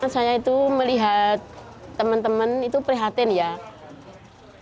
saya itu melihat teman teman itu perhatikan